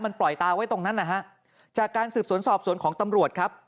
มันปล่อยตาไว้ตรงนั้นนะฮะจากการสืบสวนสอบสวนของตำรวจครับ